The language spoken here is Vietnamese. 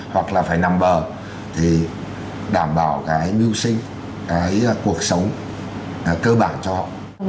hoặc là phải nằm bờ thì đảm bảo cái mưu sinh cái cuộc sống cơ bản cho họ